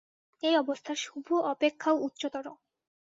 এই অবস্থা শুভ অপেক্ষাও উচ্চতর।